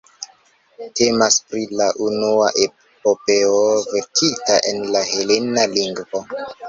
Temas pri la unua epopeo verkita en la helena lingvo.